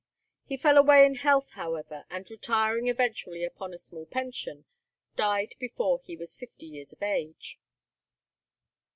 He fell away in health, however, and retiring eventually upon a small pension, died before he was fifty years of age.